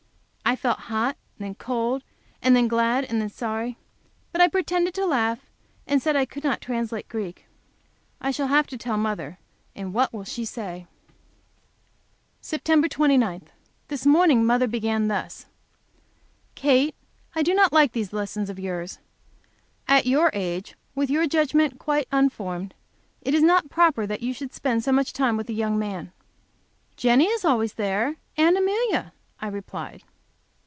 I felt hot and then cold, and then glad and then sorry. But I pretended to laugh, and said I could not translate Greek. I shall have to tell mother, and what will she say? Sept. 29. This morning mother began thus: "Kate, I do not like these lessons of yours. At your age, with your judgment quite unformed, it is not proper that you should spend so much time with a young man. "Jenny is always there, and Amelia," I replied.